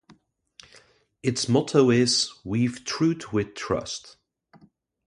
Its motto is "Weave Truth With Trust".